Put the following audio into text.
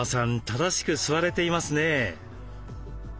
正しく座れていますね。